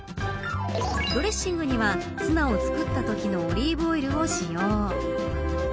ドレッシングには、ツナを作ったときのオリーブオイルを使用。